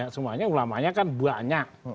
semuanya ulama nya kan banyak